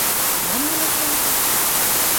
Мом ойлышда?